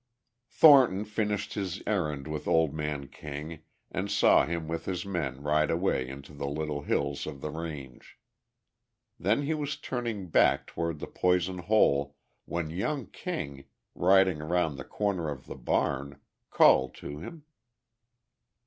Thornton finished his errand with Old Man King and saw him with his men ride away into the little hills of the range. Then he was turning back toward the Poison Hole when young King, riding around the corner of the barn, called to him.